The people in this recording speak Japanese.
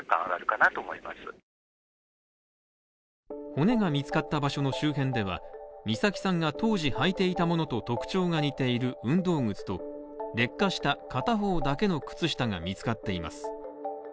骨が見つかった場所の周辺では、美咲さんが当時履いていたものと特徴が似ている運動靴と劣化した片方だけの靴下が見つかっています。